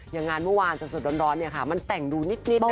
อย่างงานเมื่อวานสดร้อนเนี่ยค่ะมันแต่งดูนิด